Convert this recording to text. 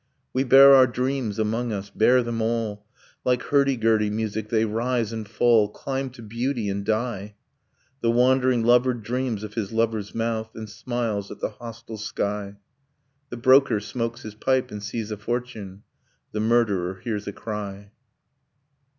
We bear our dreams among us, bear them all, Like hurdy gurdy music they rise and fall, Climb to beauty and die. The wandering lover dreams of his lover's mouth, And smiles at the hostile sky. The broker smokes his pipe, and sees a fortune. The murderer hears a cry.